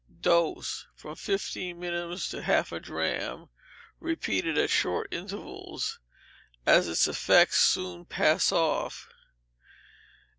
Dose, from fifteen minims to half a drachm, repeated at short intervals, as its effects soon pass off.